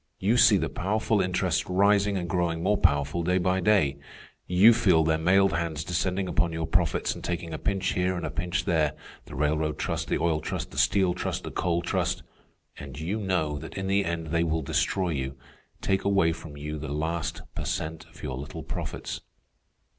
You see the powerful interests rising and growing more powerful day by day; you feel their mailed hands descending upon your profits and taking a pinch here and a pinch there—the railroad trust, the oil trust, the steel trust, the coal trust; and you know that in the end they will destroy you, take away from you the last per cent of your little profits.